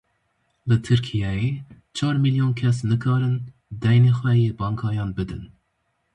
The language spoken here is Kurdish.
Li Tirkiyeyê çar milyon kes nikarin deynê xwe yê bankayan bidin.